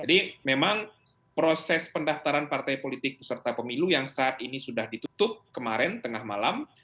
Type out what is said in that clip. jadi memang proses pendaftaran partai politik peserta pemilu yang saat ini sudah ditutup kemarin tengah malam